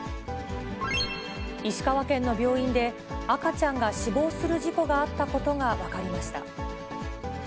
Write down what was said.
石川県の病院で、赤ちゃんが死亡する事故があったことが分かりました。